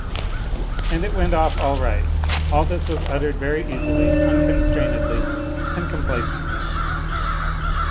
And it went off all right; all this was uttered very easily, unconstrained ly and complacently.